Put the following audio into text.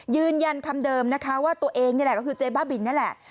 ยืนยันคำเดิมนะคะว่าตัวเองนี่แหละก็คือเจ๊บ้าบินนั่นแหละ